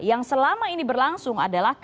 yang selama ini berlangsung adalah